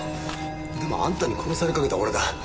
でもあんたに殺されかけた俺だ。